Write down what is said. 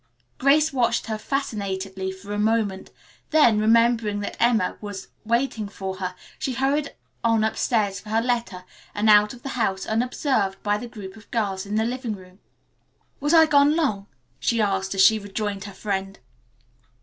Grace watched her fascinatedly for a moment, then, remembering that Emma was waiting for her, she hurried on upstairs for her letter and out of the house, unobserved by the group of girls in the living room. "Was I gone long?" she asked as she rejoined her friend.